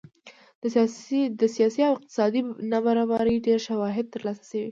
د سیاسي او اقتصادي نابرابرۍ ډېر شواهد ترلاسه شوي